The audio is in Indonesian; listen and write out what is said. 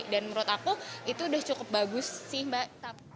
dan menurut aku itu udah cukup bagus sih mbak